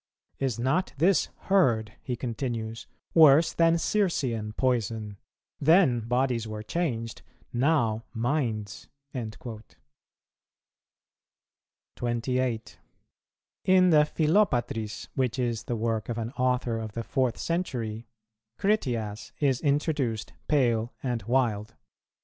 Is not this herd," he continues, "worse than Circean poison? then bodies were changed, now minds." 28. In the Philopatris, which is the work of an Author of the fourth century,[242:1] Critias is introduced pale and wild.